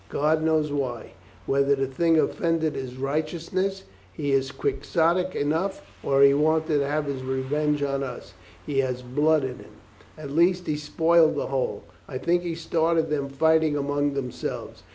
God knows why — whether the thing offended his righteousness — he is Quixote enough — or he wanted to have his revenge on us — he has blood in him. At least he spoiled the whole. I think he started them fighting among themselves.